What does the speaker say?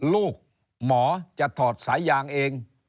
ลูกหมอจะถอดสายยางเอง